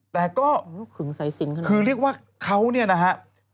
แต่ก็คือเรียกว่าเขาเนี่ยนะฮะ